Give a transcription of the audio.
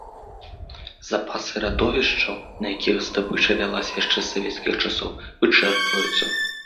Запасы радовішчаў, на якіх здабыча вялася яшчэ з савецкіх часоў, вычэрпваюцца.